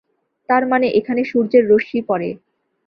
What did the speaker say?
তার মানে এখানে সূর্যের রশ্মি পড়ে।